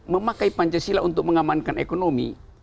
memakai pancasila untuk mengamankan ekonomi